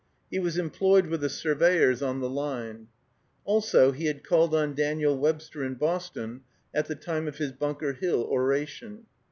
He was employed with the surveyors on the line. Also he had called on Daniel Webster in Boston, at the time of his Bunker Hill oration.